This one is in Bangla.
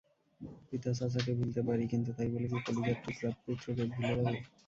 পিতা-চাচাকে ভুলতে পারি কিন্তু তাই বলে কি কলিজার টুকরা পুত্রকে ভুলে যাব?